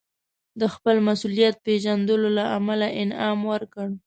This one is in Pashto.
د خپل مسوولیت پېژندلو له امله انعام ورکړ.